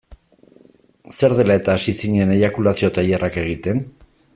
Zer dela-eta hasi zinen eiakulazio-tailerrak egiten?